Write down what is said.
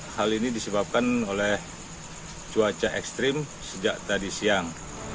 hal ini disebabkan oleh cuaca ekstrim sejak tadi siang